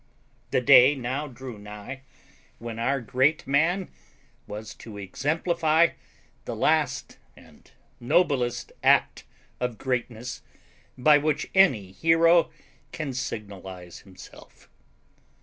The day now drew nigh when our great man was to exemplify the last and noblest act of greatness by which any hero can signalise himself.